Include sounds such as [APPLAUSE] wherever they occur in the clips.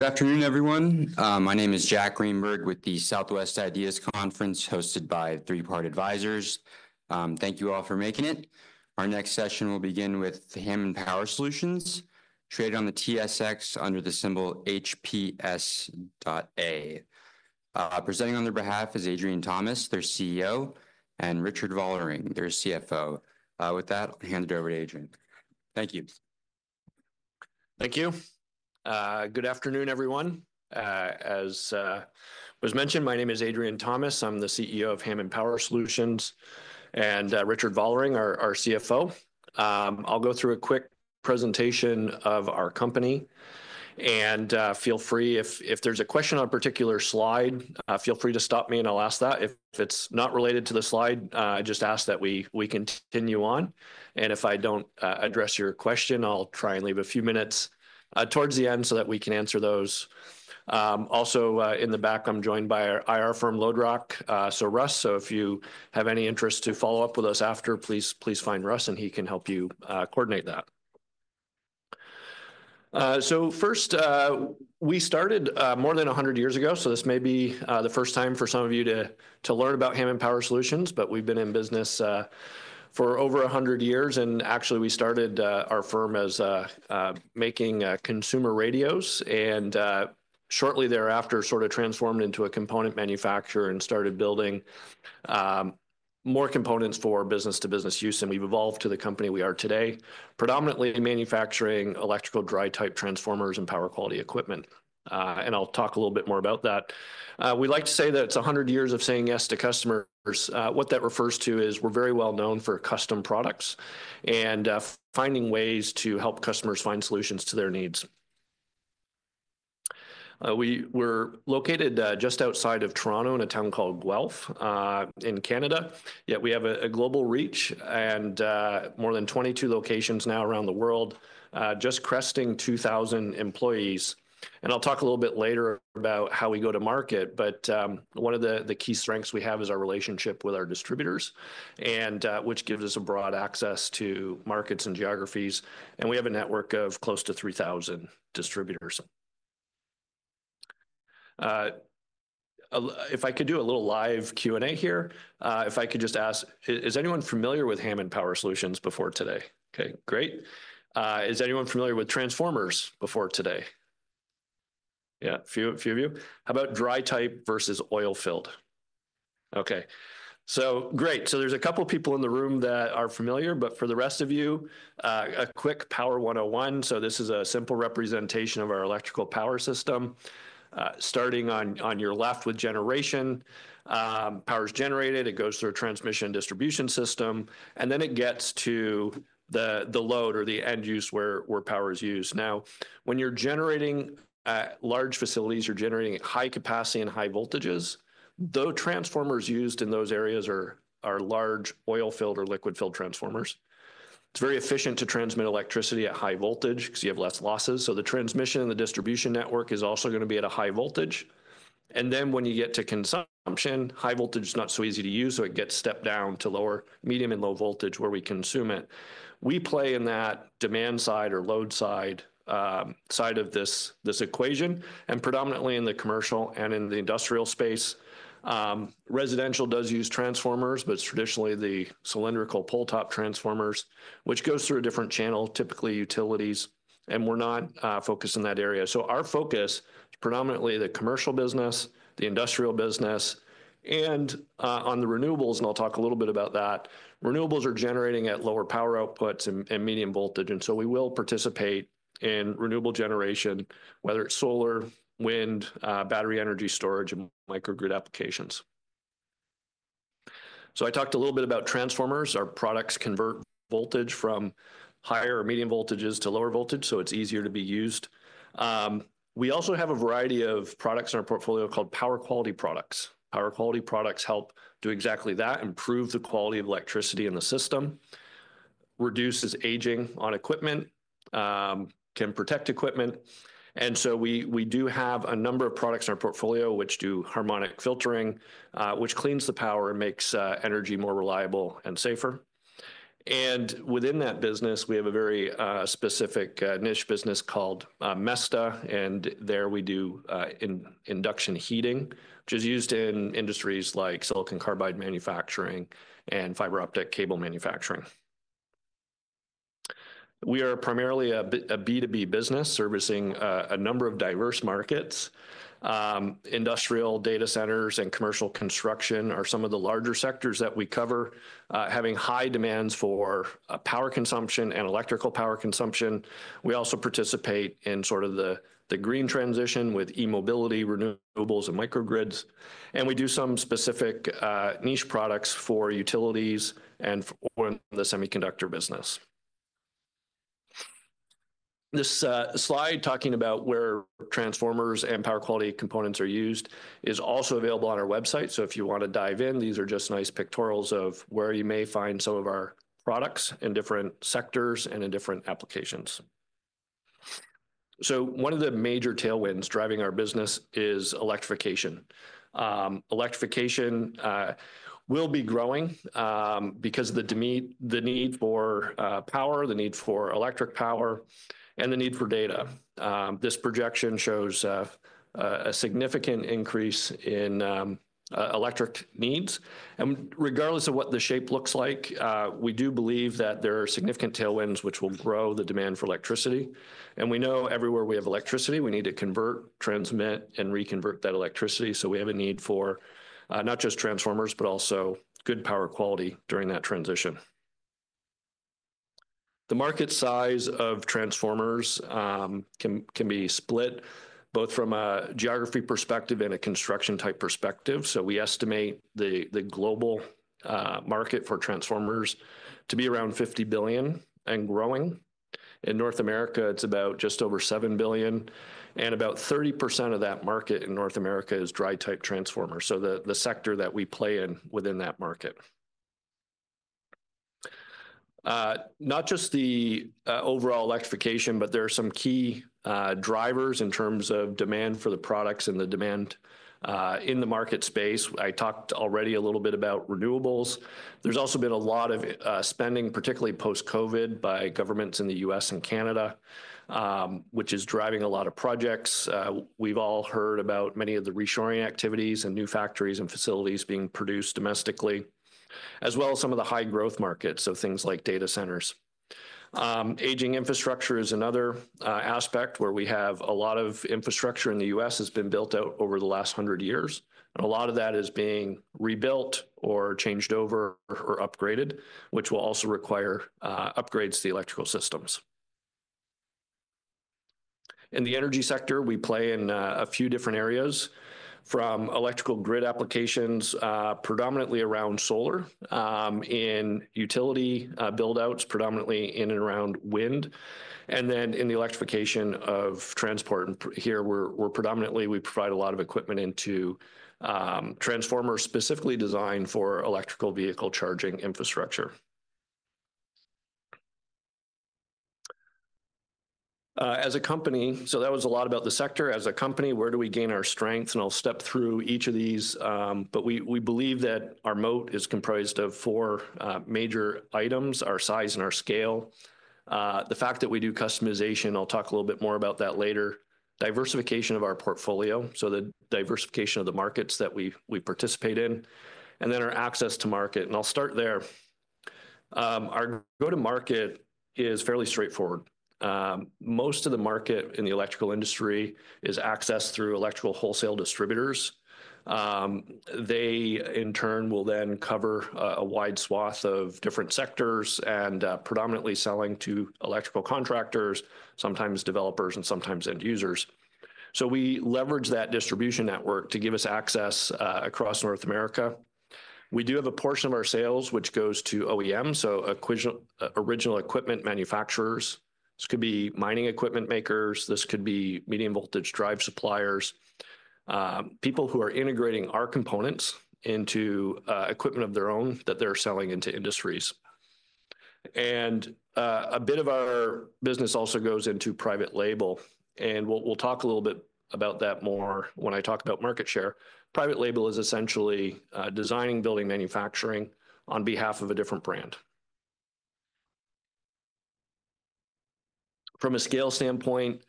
Good afternoon, everyone. My name is Jack Greenberg with the Southwest IDEAS Conference hosted by Three Part Advisors. Thank you all for making it. Our next session will begin with Hammond Power Solutions, traded on the TSX under the symbol HPS.A. Presenting on their behalf is Adrian Thomas, their Chief Executive Officer, and Richard Vollering, their Chief Financial Officer. With that, I'll hand it over to Adrian. Thank you. Thank you. Good afternoon, everyone. As was mentioned, my name is Adrian Thomas. I'm the CEO of Hammond Power Solutions, and Richard Vollering, our CFO. I'll go through a quick presentation of our company, and feel free, if there's a question on a particular slide, feel free to stop me and I'll ask that. If it's not related to the slide, I just ask that we continue on, and if I don't address your question, I'll try and leave a few minutes towards the end so that we can answer those. Also, in the back, I'm joined by our IR firm, LodeRock. So Russ, if you have any interest to follow up with us after, please find Russ and he can help you coordinate that. So, first, we started more than 100 years ago, so this may be the first time for some of you to learn about Hammond Power Solutions, but we've been in business for over 100 years. And actually, we started our firm as making consumer radios and shortly thereafter sort of transformed into a component manufacturer and started building more components for business-to-business use. And we've evolved to the company we are today, predominantly manufacturing electrical dry-type transformers and power quality equipment. And I'll talk a little bit more about that. We like to say that it's 100 years of saying yes to customers. What that refers to is we're very well known for custom products and finding ways to help customers find solutions to their needs. We're located just outside of Toronto in a town called Guelph in Canada, yet we have a global reach and more than 22 locations now around the world, just cresting 2,000 employees. And I'll talk a little bit later about how we go to market, but one of the key strengths we have is our relationship with our distributors, which gives us a broad access to markets and geographies. And we have a network of close to 3,000 distributors. If I could do a little live Q&A here, if I could just ask, is anyone familiar with Hammond Power Solutions before today? Okay, great. Is anyone familiar with transformers before today? Yeah, a few of you. How about dry-type versus oil-filled? Okay, so great. So there's a couple of people in the room that are familiar, but for the rest of you, a quick Power 101. So this is a simple representation of our electrical power system. Starting on your left with generation, power is generated, it goes through a transmission distribution system, and then it gets to the load or the end use where power is used. Now, when you're generating large facilities, you're generating at high capacity and high voltages. Though transformers used in those areas are large oil-filled or liquid-filled transformers, it's very efficient to transmit electricity at high voltage because you have less losses. So the transmission and the distribution network is also going to be at a high voltage. And then when you get to consumption, high voltage is not so easy to use, so it gets stepped down to lower, medium, and low voltage where we consume it. We play in that demand side or load side of this equation, and predominantly in the commercial and in the industrial space. Residential does use transformers, but it's traditionally the cylindrical pole-top transformers, which goes through a different channel, typically utilities, and we're not focused in that area. So our focus is predominantly the commercial business, the industrial business, and on the renewables, and I'll talk a little bit about that. Renewables are generating at lower power outputs and medium voltage, and so we will participate in renewable generation, whether it's solar, wind, battery energy storage, and microgrid applications. So I talked a little bit about transformers. Our products convert voltage from higher or medium voltages to lower voltage, so it's easier to be used. We also have a variety of products in our portfolio called power quality products. Power quality products help do exactly that, improve the quality of electricity in the system, reduce aging on equipment, and can protect equipment. We do have a number of products in our portfolio which do harmonic filtering, which cleans the power and makes energy more reliable and safer. Within that business, we have a very specific niche business called Mesta, and there we do induction heating, which is used in industries like silicon carbide manufacturing and fiber optic cable manufacturing. We are primarily a B2B business servicing a number of diverse markets. Industrial data centers and commercial construction are some of the larger sectors that we cover, having high demands for power consumption and electrical power consumption. We also participate in sort of the green transition with e-mobility, renewables, and microgrids. We do some specific niche products for utilities and for the semiconductor business. This slide talking about where transformers and power quality components are used is also available on our website, so if you want to dive in, these are just nice pictorials of where you may find some of our products in different sectors and in different applications, so one of the major tailwinds driving our business is electrification. Electrification will be growing because of the need for power, the need for electric power, and the need for data. This projection shows a significant increase in electric needs, and regardless of what the shape looks like, we do believe that there are significant tailwinds which will grow the demand for electricity, and we know everywhere we have electricity, we need to convert, transmit, and reconvert that electricity, so we have a need for not just transformers, but also good power quality during that transition. The market size of transformers can be split both from a geography perspective and a construction-type perspective, so we estimate the global market for transformers to be around $50 billion and growing. In North America, it's about just over $7 billion, and about 30% of that market in North America is dry-type transformers, so the sector that we play in within that market. Not just the overall electrification, but there are some key drivers in terms of demand for the products and the demand in the market space. I talked already a little bit about renewables. There's also been a lot of spending, particularly post-COVID, by governments in the U.S. and Canada, which is driving a lot of projects. We've all heard about many of the reshoring activities and new factories and facilities being produced domestically, as well as some of the high-growth markets, so things like data centers. Aging infrastructure is another aspect where we have a lot of infrastructure in the U.S. that has been built out over the last 100 years. And a lot of that is being rebuilt or changed over or upgraded, which will also require upgrades to the electrical systems. In the energy sector, we play in a few different areas from electrical grid applications, predominantly around solar, in utility buildouts, predominantly in and around wind, and then in the electrification of transport. And here, we're predominantly, we provide a lot of equipment into transformers specifically designed for electric vehicle charging infrastructure. As a company, so that was a lot about the sector. As a company, where do we gain our strength? And I'll step through each of these, but we believe that our moat is comprised of four major items: our size and our scale. The fact that we do customization, I'll talk a little bit more about that later. Diversification of our portfolio, so the diversification of the markets that we participate in. And then our access to market, and I'll start there. Our go-to-market is fairly straightforward. Most of the market in the electrical industry is accessed through electrical wholesale distributors. They, in turn, will then cover a wide swath of different sectors and predominantly selling to electrical contractors, sometimes developers, and sometimes end users. So we leverage that distribution network to give us access across North America. We do have a portion of our sales which goes to OEMs, so original equipment manufacturers. This could be mining equipment makers. This could be medium-voltage drive suppliers, people who are integrating our components into equipment of their own that they're selling into industries. And a bit of our business also goes into private label. We'll talk a little bit about that more when I talk about market share. Private label is essentially designing, building, manufacturing on behalf of a different brand. From a scale standpoint,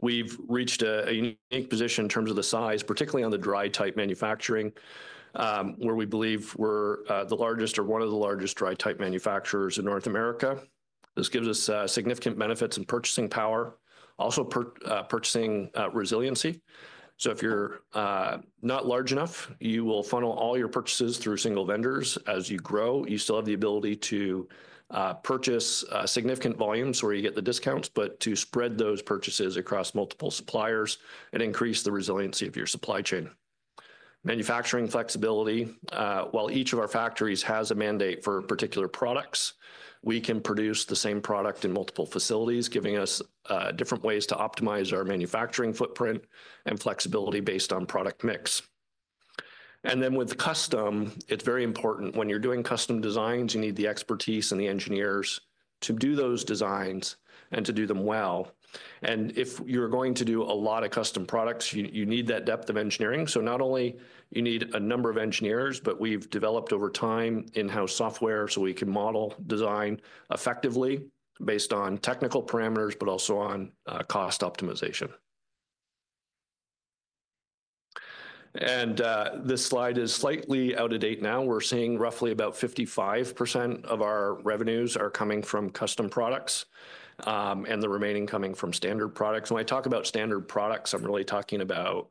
we've reached a unique position in terms of the size, particularly on the dry-type manufacturing, where we believe we're the largest or one of the largest dry-type manufacturers in North America. This gives us significant benefits in purchasing power, also purchasing resiliency. So if you're not large enough, you will funnel all your purchases through single vendors. As you grow, you still have the ability to purchase significant volumes where you get the discounts, but to spread those purchases across multiple suppliers and increase the resiliency of your supply chain. Manufacturing flexibility. While each of our factories has a mandate for particular products, we can produce the same product in multiple facilities, giving us different ways to optimize our manufacturing footprint and flexibility based on product mix, and then with custom, it's very important when you're doing custom designs, you need the expertise and the engineers to do those designs and to do them well, and if you're going to do a lot of custom products, you need that depth of engineering, so not only do you need a number of engineers, but we've developed over time in-house software so we can model design effectively based on technical parameters, but also on cost optimization, and this slide is slightly out of date now. We're seeing roughly about 55% of our revenues are coming from custom products and the remaining coming from standard products. When I talk about standard products, I'm really talking about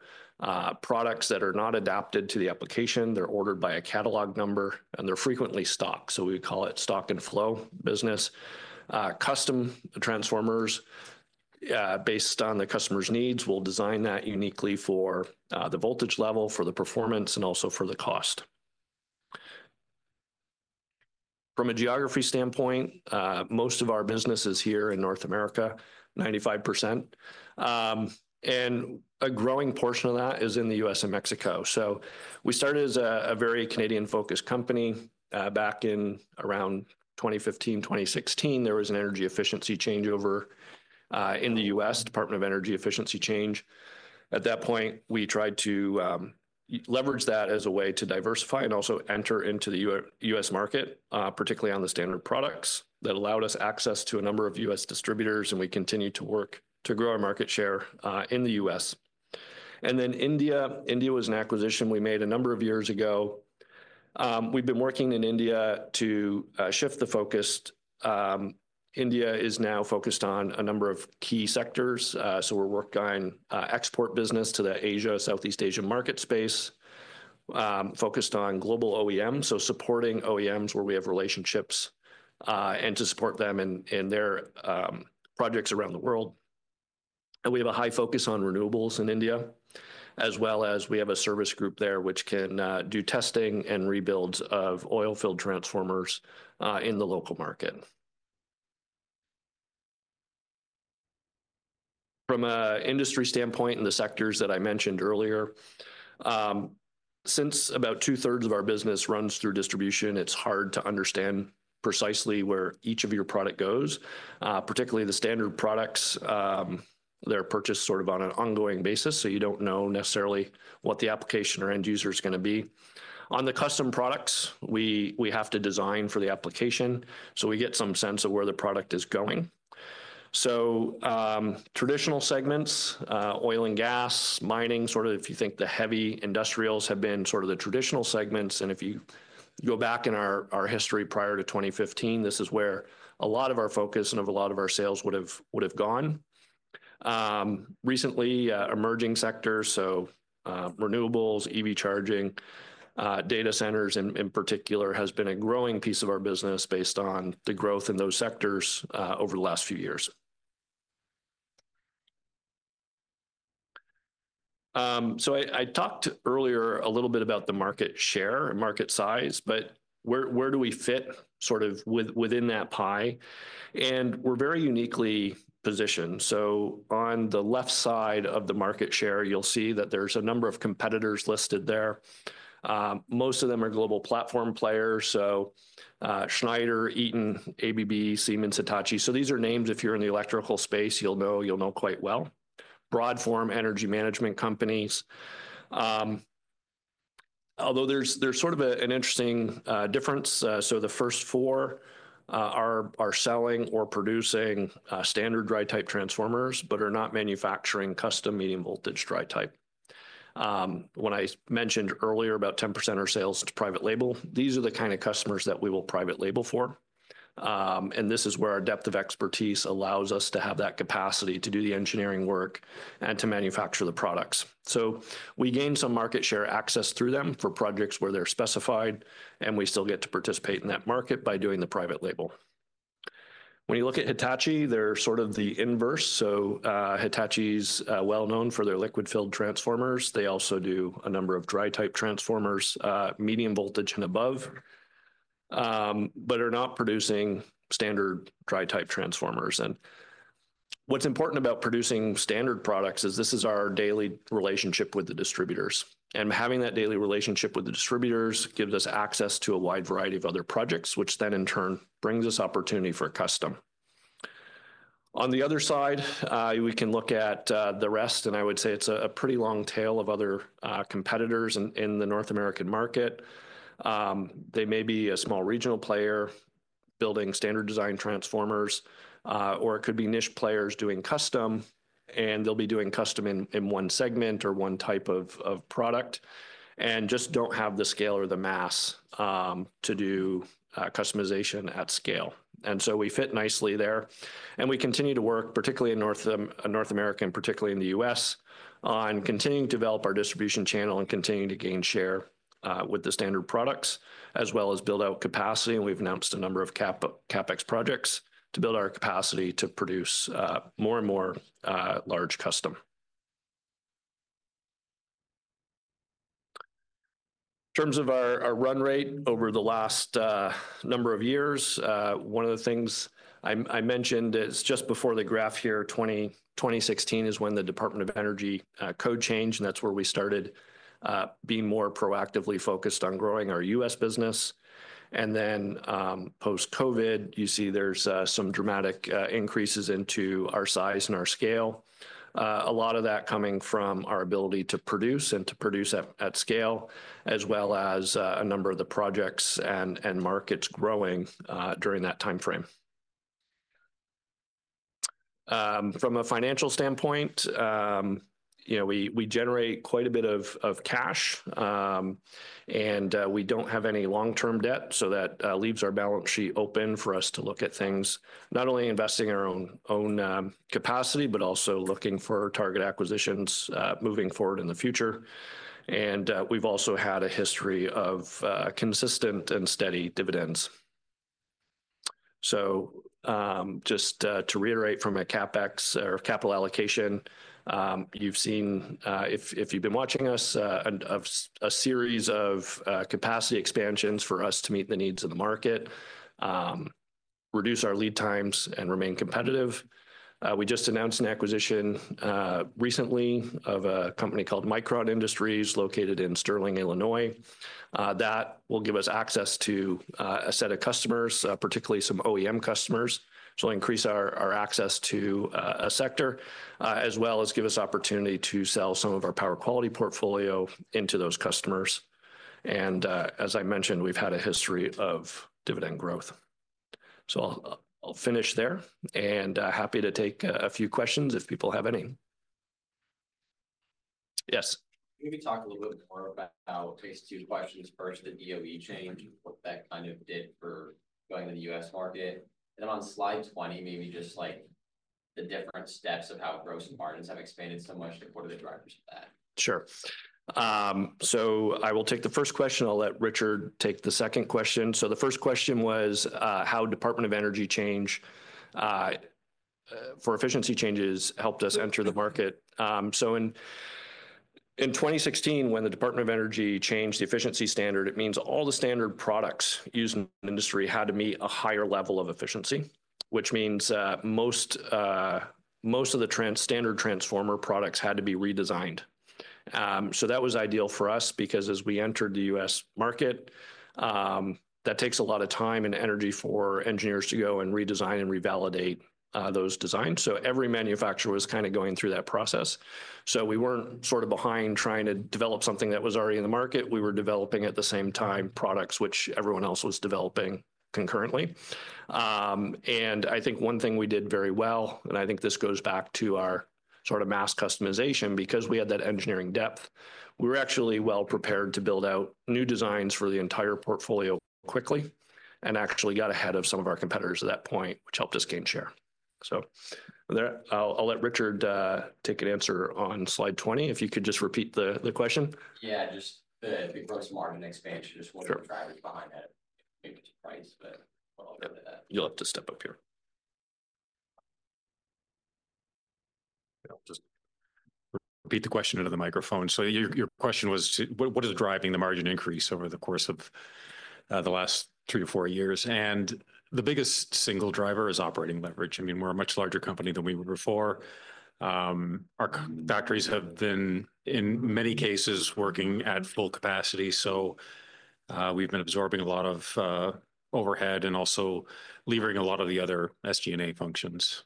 products that are not adapted to the application. They're ordered by a catalog number, and they're frequently stocked. So we call it stock and flow business. Custom transformers based on the customer's needs will design that uniquely for the voltage level, for the performance, and also for the cost. From a geography standpoint, most of our business is here in North America, 95%. And a growing portion of that is in the U.S. and Mexico. So we started as a very Canadian-focused company back in around 2015, 2016. There was an energy efficiency changeover in the U.S., Department of Energy efficiency change. At that point, we tried to leverage that as a way to diversify and also enter into the U.S. market, particularly on the standard products that allowed us access to a number of U.S. Distributors, and we continued to work to grow our market share in the U.S., and then India. India was an acquisition we made a number of years ago. We've been working in India to shift the focus. India is now focused on a number of key sectors, so we're working on export business to the Asia, Southeast Asia market space, focused on global OEMs, so supporting OEMs where we have relationships and to support them in their projects around the world, and we have a high focus on renewables in India, as well as we have a service group there which can do testing and rebuilds of oil-filled transformers in the local market. From an industry standpoint and the sectors that I mentioned earlier, since about two-thirds of our business runs through distribution, it's hard to understand precisely where each of your products goes, particularly the standard products. They're purchased sort of on an ongoing basis, so you don't know necessarily what the application or end user is going to be. On the custom products, we have to design for the application so we get some sense of where the product is going. So traditional segments, oil and gas, mining, sort of if you think of the heavy industrials, have been sort of the traditional segments. And if you go back in our history prior to 2015, this is where a lot of our focus and a lot of our sales would have gone. Recently, emerging sectors, so renewables, EV charging, data centers in particular, have been a growing piece of our business based on the growth in those sectors over the last few years. So I talked earlier a little bit about the market share and market size, but where do we fit sort of within that pie? We're very uniquely positioned. On the left side of the market share, you'll see that there's a number of competitors listed there. Most of them are global platform players. Schneider, Eaton, ABB, Siemens, Hitachi. These are names if you're in the electrical space, you'll know quite well. Broad-form energy management companies. Although there's sort of an interesting difference. The first four are selling or producing standard dry-type transformers, but are not manufacturing custom medium-voltage dry-type. When I mentioned earlier about 10% of our sales to private label, these are the kind of customers that we will private label for. This is where our depth of expertise allows us to have that capacity to do the engineering work and to manufacture the products. So we gain some market share access through them for projects where they're specified, and we still get to participate in that market by doing the private label. When you look at Hitachi, they're sort of the inverse. So Hitachi is well-known for their liquid-filled transformers. They also do a number of dry-type transformers, medium voltage and above, but are not producing standard dry-type transformers. And what's important about producing standard products is this is our daily relationship with the distributors. And having that daily relationship with the distributors gives us access to a wide variety of other projects, which then in turn brings us opportunity for custom. On the other side, we can look at the rest, and I would say it's a pretty long tail of other competitors in the North American market. They may be a small regional player building standard design transformers, or it could be niche players doing custom, and they'll be doing custom in one segment or one type of product and just don't have the scale or the mass to do customization at scale, and so we fit nicely there, and we continue to work, particularly in North America, and particularly in the U.S., on continuing to develop our distribution channel and continuing to gain share with the standard products, as well as build out capacity, and we've announced a number of CapEx projects to build our capacity to produce more and more large custom. In terms of our run rate over the last number of years, one of the things I mentioned is just before the graph here, 2016 is when the Department of Energy code changed, and that's where we started being more proactively focused on growing our U.S. business, and then post-COVID, you see there's some dramatic increases into our size and our scale, a lot of that coming from our ability to produce and to produce at scale, as well as a number of the projects and markets growing during that timeframe. From a financial standpoint, we generate quite a bit of cash, and we don't have any long-term debt, so that leaves our balance sheet open for us to look at things, not only investing in our own capacity, but also looking for target acquisitions moving forward in the future. And we've also had a history of consistent and steady dividends. So just to reiterate from a CapEx or capital allocation, you've seen, if you've been watching us, a series of capacity expansions for us to meet the needs of the market, reduce our lead times, and remain competitive. We just announced an acquisition recently of a company called Micron Industries located in Sterling, Illinois. That will give us access to a set of customers, particularly some OEM customers. So it'll increase our access to a sector, as well as give us opportunity to sell some of our power quality portfolio into those customers. And as I mentioned, we've had a history of dividend growth. So I'll finish there, and happy to take a few questions if people have any. Yes. Maybe talk a little bit more about these two questions first, the DOE change, what that kind of did for going to the U.S. market, and then on slide 20, maybe just the different steps of how gross margins have expanded. [AUDIO DISTORTION] Sure, so I will take the first question. I'll let Richard take the second question, so the first question was how Department of Energy change for efficiency changes helped us enter the market, so in 2016, when the Department of Energy changed the efficiency standard, it means all the standard products used in the industry had to meet a higher level of efficiency, which means most of the standard transformer products had to be redesigned, so that was ideal for us because as we entered the U.S. market, that takes a lot of time and energy for engineers to go and redesign and revalidate those designs, so every manufacturer was kind of going through that process, so we weren't sort of behind trying to develop something that was already in the market. We were developing at the same time products which everyone else was developing concurrently. And I think one thing we did very well, and I think this goes back to our sort of mass customization, because we had that engineering depth, we were actually well prepared to build out new designs for the entire portfolio quickly and actually got ahead of some of our competitors at that point, which helped us gain share, so I'll let Richard take an answer on slide 20. If you could just repeat the question. Yeah, just the gross margin expansion, just. [AUDIO DISTORTION] You'll have to step up here. Repeat the question into the microphone. So your question was, what is driving the margin increase over the course of the last three or four years? And the biggest single driver is operating leverage. I mean, we're a much larger company than we were before. Our factories have been, in many cases, working at full capacity. So we've been absorbing a lot of overhead and also levering a lot of the other SG&A functions.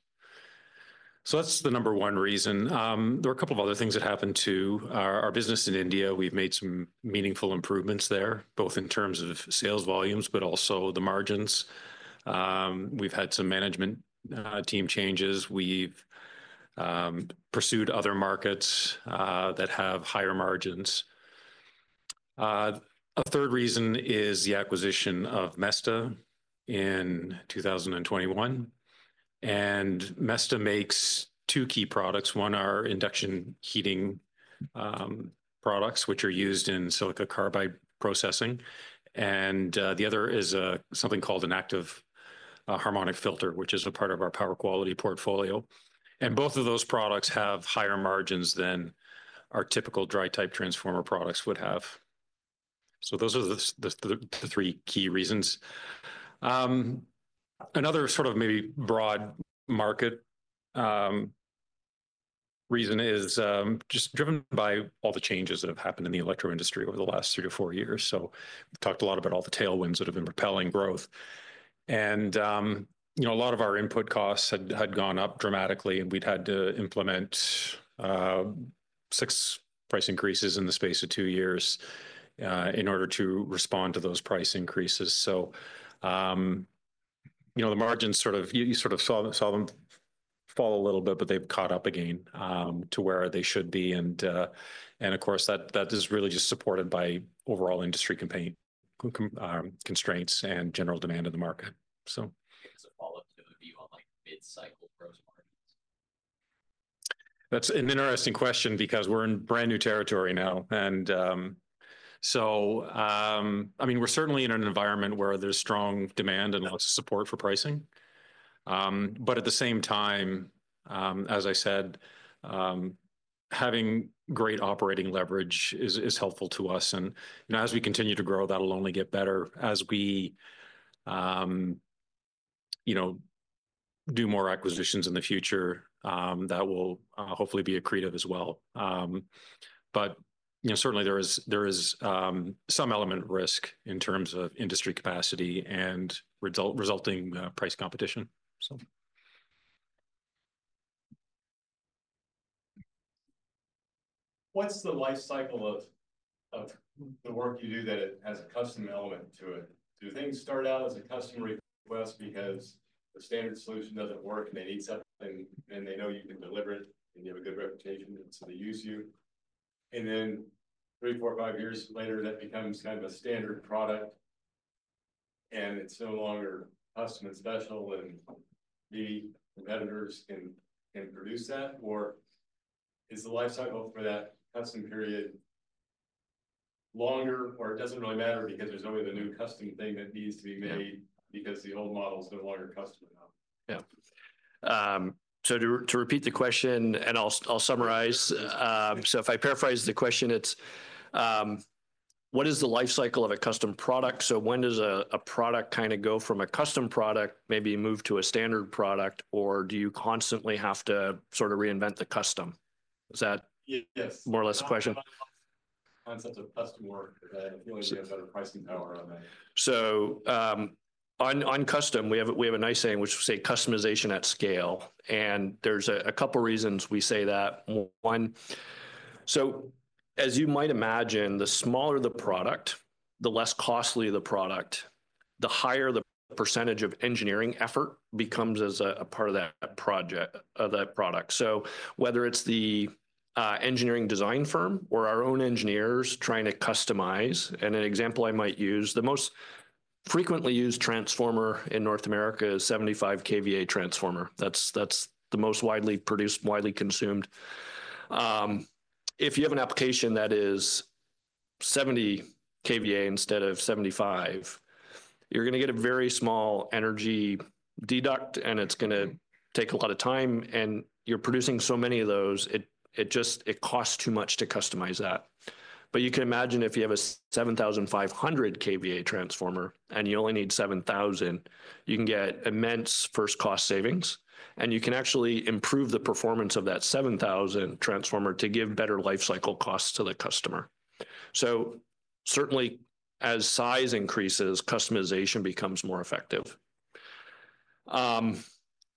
So that's the number one reason. There are a couple of other things that happened to our business in India. We've made some meaningful improvements there, both in terms of sales volumes, but also the margins. We've had some management team changes. We've pursued other markets that have higher margins. A third reason is the acquisition of Mesta in 2021. And Mesta makes two key products. One are induction heating products, which are used in silicon carbide processing. And the other is something called an active harmonic filter, which is a part of our power quality portfolio. And both of those products have higher margins than our typical dry-type transformer products would have. So those are the three key reasons. Another sort of maybe broad market reason is just driven by all the changes that have happened in the electric industry over the last three to four years. So we've talked a lot about all the tailwinds that have been propelling growth. And a lot of our input costs had gone up dramatically, and we'd had to implement six price increases in the space of two years in order to respond to those price increases. So the margins sort of you sort of saw them fall a little bit, but they've caught up again to where they should be. And of course, that is really just supported by overall industry constraints and general demand in the market. So as. [AUDIO DISTORTION] That's an interesting question because we're in brand new territory now. And so I mean, we're certainly in an environment where there's strong demand and lots of support for pricing. But at the same time, as I said, having great operating leverage is helpful to us. And as we continue to grow, that'll only get better. As we do more acquisitions in the future, that will hopefully be accretive as well. But certainly, there is some element of risk in terms of industry capacity and resulting price competition, so. What's the life cycle of the work you do that has a custom element to it? Do things start out as a customer request because the standard solution doesn't work and they need something, and they know you can deliver it and you have a good reputation, and so they use you? And then three, four, five years later, that becomes kind of a standard product and it's no longer custom and special, and the competitors can produce that? Or is the life cycle for that custom period longer, or it doesn't really matter because there's only the new custom thing that needs to. [AUDIO DISTORTION] Yeah. So to repeat the question, and I'll summarize. So if I paraphrase the question, it's what is the life cycle of a custom product? So, when does a product kind of go from a custom product, maybe move to a standard product, or do you constantly have to sort of reinvent the custom? Is that more or less the question? [AUDIO DISTORTION] So on custom, we have a nice saying, which we say customization at scale. And there's a couple of reasons we say that. One, so as you might imagine, the smaller the product, the less costly the product, the higher the percentage of engineering effort becomes as a part of that product. So whether it's the engineering design firm or our own engineers trying to customize, and an example I might use, the most frequently used transformer in North America is 75 kVA transformer. That's the most widely produced, widely consumed. If you have an application that is 70 kVA instead of 75 kVA, you're going to get a very small energy deduct, and it's going to take a lot of time, and you're producing so many of those, it costs too much to customize that, but you can imagine if you have a 7,500 kVA transformer and you only need 7,000 kVA, you can get immense first cost savings, and you can actually improve the performance of that 7,000 kVA transformer to give better life cycle costs to the customer, so certainly, as size increases, customization becomes more effective.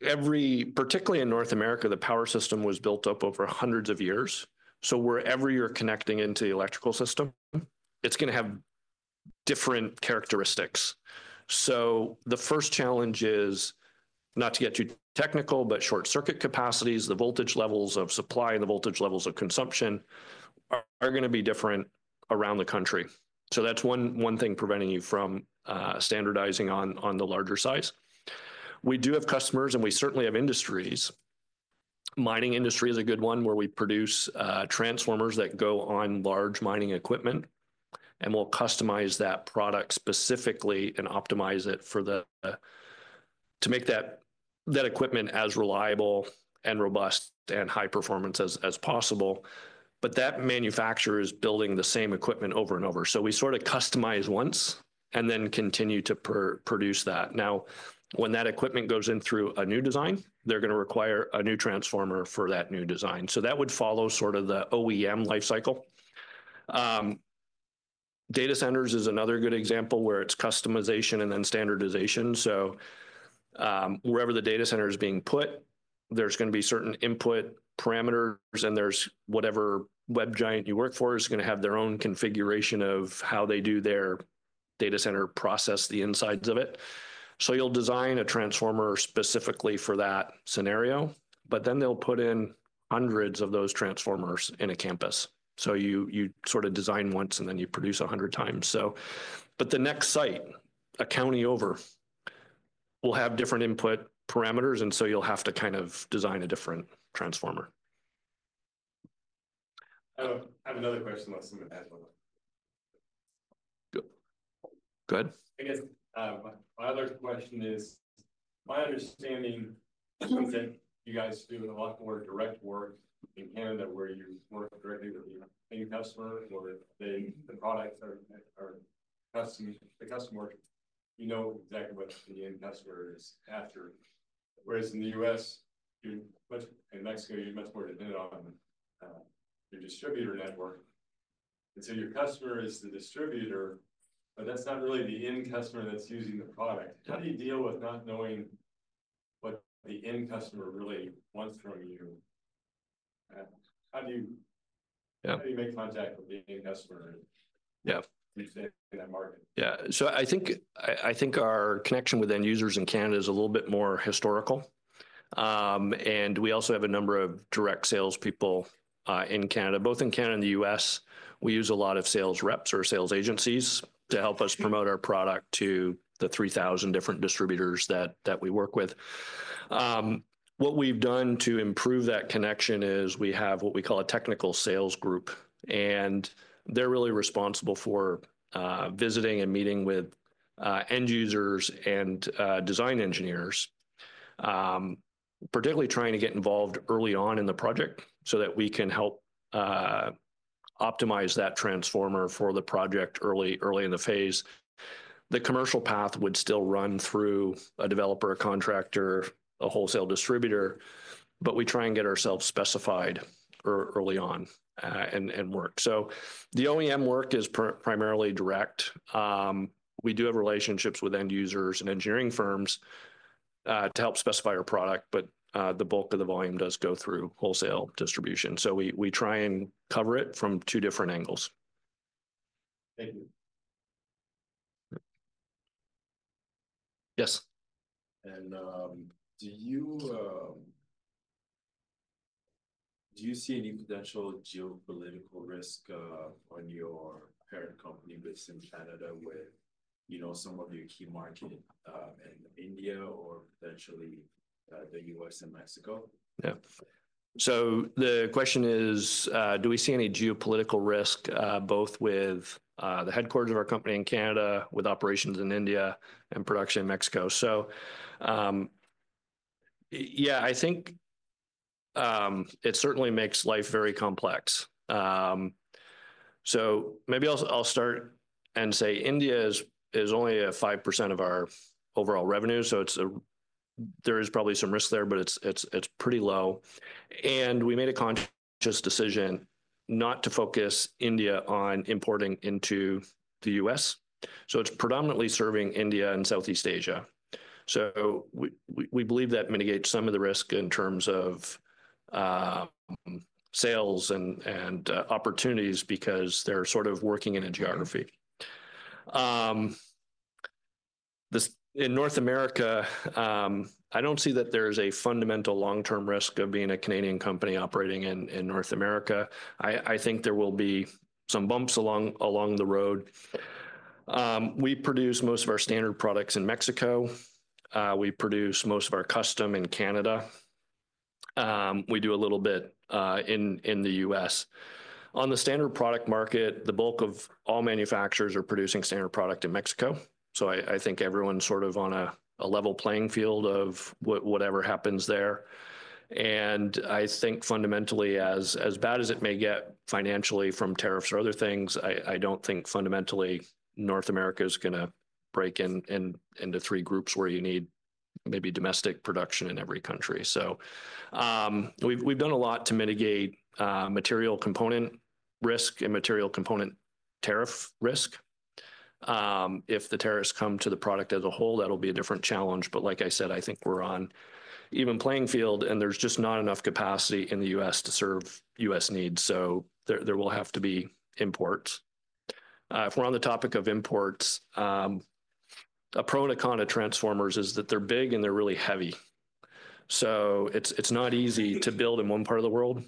Particularly in North America, the power system was built up over hundreds of years, so wherever you're connecting into the electrical system, it's going to have different characteristics. So the first challenge is not to get too technical, but short circuit capacities, the voltage levels of supply, and the voltage levels of consumption are going to be different around the country. So that's one thing preventing you from standardizing on the larger size. We do have customers, and we certainly have industries. Mining industry is a good one where we produce transformers that go on large mining equipment, and we'll customize that product specifically and optimize it to make that equipment as reliable and robust and high performance as possible. But that manufacturer is building the same equipment over and over. So we sort of customize once and then continue to produce that. Now, when that equipment goes in through a new design, they're going to require a new transformer for that new design. So that would follow sort of the OEM life cycle. Data centers is another good example where it's customization and then standardization. So wherever the data center is being put, there's going to be certain input parameters, and whatever web giant you work for is going to have their own configuration of how they do their data center process, the insides of it. So you'll design a transformer specifically for that scenario, but then they'll put in hundreds of those transformers in a campus. So you sort of design once, and then you produce 100 times. But the next site, a county over, will have different input parameters, and so you'll have to kind of design a different transformer. I have another question. [AUDIO DISTORTION] Go ahead. I guess my other question is, my understanding is that you guys do a lot more direct work in Canada where you work directly with the end customer, or the products are custom work. You know exactly what the end customer is after. Whereas in the U.S., in Mexico, you're much more dependent on your distributor network. And so your customer is the distributor, but that's not really the end customer that's using the product. How do you deal with not knowing what the end customer really wants from you? How do you make contact. [AUDIO DISTORTION] Yeah. In that market. Yeah. So I think our connection with end users in Canada is a little bit more historical. And we also have a number of direct salespeople in Canada. Both in Canada and the U.S., we use a lot of sales reps or sales agencies to help us promote our product to the 3,000 different distributors that we work with. What we've done to improve that connection is we have what we call a technical sales group, and they're really responsible for visiting and meeting with end users and design engineers, particularly trying to get involved early on in the project so that we can help optimize that transformer for the project early in the phase. The commercial path would still run through a developer, a contractor, a wholesale distributor, but we try and get ourselves specified early on and work, so the OEM work is primarily direct. We do have relationships with end users and engineering firms to help specify our product, but the bulk of the volume does go through wholesale distribution. So we try and cover it from two different angles. Thank you. Yes, And do you see any potential geopolitical risk on your parent company based in Canada with some of your key markets in India or potentially the U.S. and Mexico? Yeah. So the question is, do we see any geopolitical risk both with the headquarters of our company in Canada, with operations in India, and production in Mexico? So yeah, I think it certainly makes life very complex. So maybe I'll start and say India is only 5% of our overall revenue. So there is probably some risk there, but it's pretty low. And we made a conscious decision not to focus India on importing into the U.S. So it's predominantly serving India and Southeast Asia. So we believe that mitigates some of the risk in terms of sales and opportunities because they're sort of working in a geography. In North America, I don't see that there is a fundamental long-term risk of being a Canadian company operating in North America. I think there will be some bumps along the road. We produce most of our standard products in Mexico. We produce most of our custom in Canada. We do a little bit in the U.S. On the standard product market, the bulk of all manufacturers are producing standard product in Mexico. So I think everyone's sort of on a level playing field of whatever happens there. And I think fundamentally, as bad as it may get financially from tariffs or other things, I don't think fundamentally North America is going to break into three groups where you need maybe domestic production in every country. So we've done a lot to mitigate material component risk and material component tariff risk. If the tariffs come to the product as a whole, that'll be a different challenge. But like I said, I think we're on an even playing field, and there's just not enough capacity in the U.S. to serve U.S. needs. So there will have to be imports. If we're on the topic of imports, a pro and a con of transformers is that they're big and they're really heavy. So it's not easy to build in one part of the world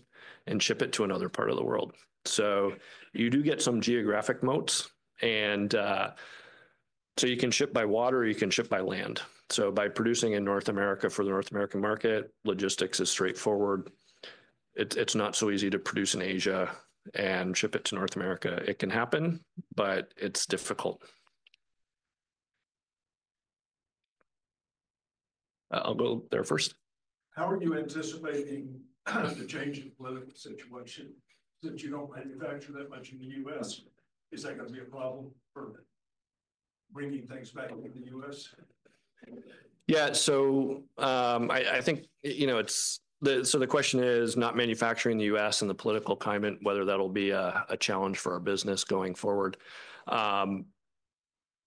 and ship it to another part of the world. So you do get some geographic moats. And so you can ship by water or you can ship by land. So by producing in North America for the North American market, logistics is straightforward. It's not so easy to produce in Asia and ship it to North America. It can happen, but it's difficult. I'll go there first. How are you anticipating the change in political situation since you don't manufacture that much in the U.S.? Is that going to be a problem for bringing things back into the U.S.? Yeah, so I think so the question is not manufacturing in the U.S. and the political climate, whether that'll be a challenge for our business going forward. I'll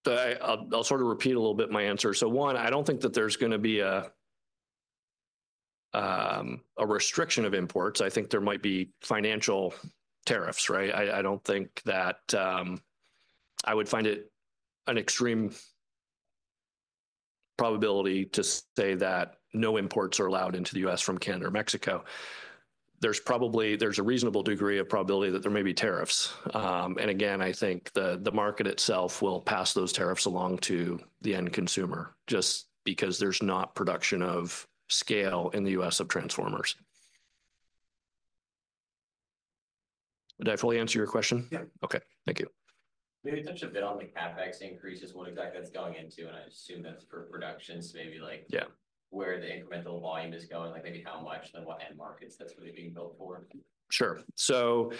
sort of repeat a little bit my answer, so one, I don't think that there's going to be a restriction of imports. I think there might be financial tariffs, right? I don't think that I would find it an extreme probability to say that no imports are allowed into the U.S. from Canada or Mexico. There's a reasonable degree of probability that there may be tariffs. And again, I think the market itself will pass those tariffs along to the end consumer just because there's not production of scale in the U.S. of transformers. Did I fully answer your question? Yeah. Okay. Thank you. Maybe touch a bit on the CapEx increases, what exactly that's going into, and I assume that's for production, so maybe where the incremental volume is going, maybe how much, and then what end markets that's really being built for. Sure. So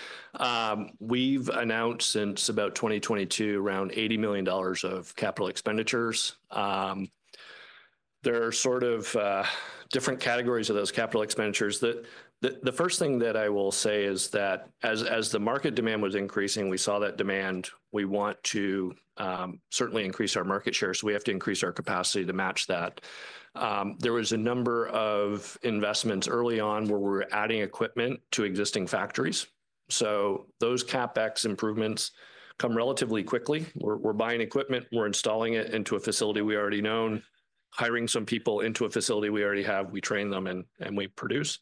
we've announced since about 2022 around 80 million dollars of capital expenditures. There are sort of different categories of those capital expenditures. The first thing that I will say is that as the market demand was increasing, we saw that demand, we want to certainly increase our market share. So we have to increase our capacity to match that. There was a number of investments early on where we're adding equipment to existing factories. So those CapEx improvements come relatively quickly. We're buying equipment. We're installing it into a facility we already know, hiring some people into a facility we already have. We train them and we produce.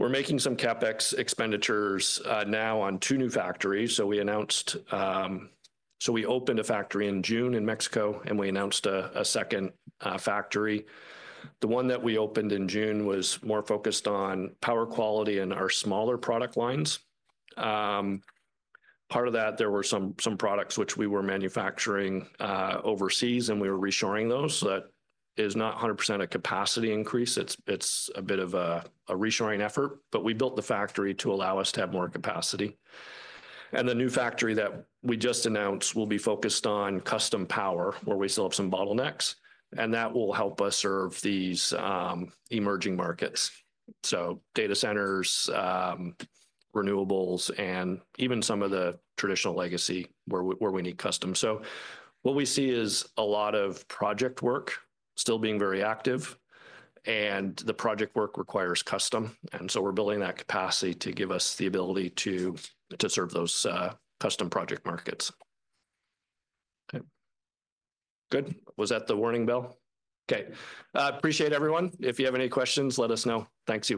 We're making some CapEx expenditures now on two new factories. So we announced so we opened a factory in June in Mexico, and we announced a second factory. The one that we opened in June was more focused on power quality and our smaller product lines. Part of that, there were some products which we were manufacturing overseas, and we were reshoring those. That is not 100% a capacity increase. It's a bit of a reshoring effort, but we built the factory to allow us to have more capacity. The new factory that we just announced will be focused on custom power, where we still have some bottlenecks, and that will help us serve these emerging markets: data centers, renewables, and even some of the traditional legacy where we need custom. What we see is a lot of project work still being very active, and the project work requires custom. We're building that capacity to give us the ability to serve those custom project markets. Good. Was that the warning bell? Okay. Appreciate everyone. If you have any questions, let us know. Thanks.